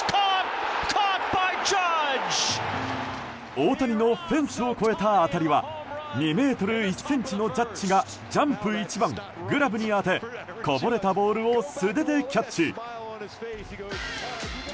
大谷のフェンスを越えた当たりは２ｍ１ｃｍのジャッジがジャンプ一番、グラブに当てこぼれたボールを素手でキャッチ！